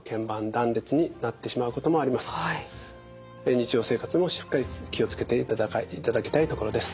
日常生活もしっかり気を付けていただきたいところです。